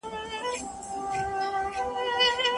ډېر خوراک اړتیا نه ده.